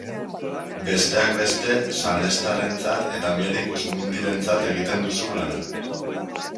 Besteak beste salestarrentzat eta Medicus Mundirentzat egiten duzu lan.